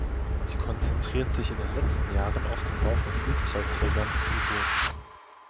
Sie konzentriert sich in den letzten Jahren auf den Bau von Flugzeugträgern und U-Booten.